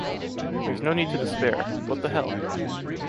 There’s no need to despair; what the hell.